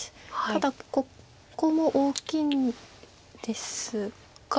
ただここも大きいんですが。